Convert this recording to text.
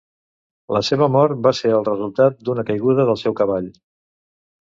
La seva mort va ser el resultat d'una caiguda del seu cavall.